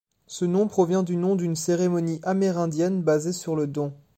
Ce nom provient du nom d'une cérémonie amérindienne basée sur le don.